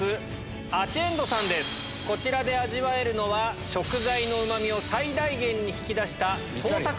こちらで味わえるのは食材のうま味を最大限に引き出した。